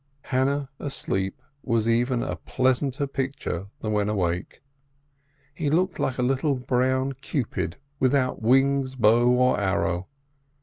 Hannah asleep was even a pleasanter picture than when awake. He looked like a little brown Cupid without wings, bow or arrow.